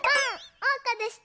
おうかでした！